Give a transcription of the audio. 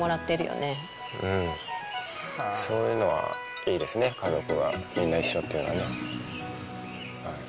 そういうのはいいですね、家族がみんな一緒っていうのはね。